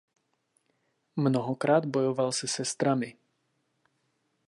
Mnohokrát bojoval se sestrami.